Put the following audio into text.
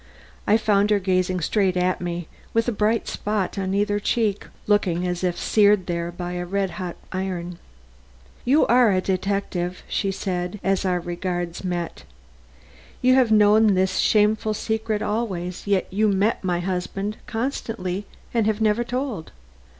I found her gazing straight at me with a bright spot on either cheek, looking as if seared there by a red hot iron. "You are a detective," she said, as our regards met. "You have known this shameful secret always, yet have met my husband constantly and have never told."